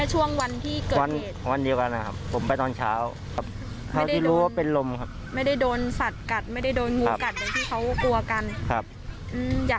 หลายคนนะ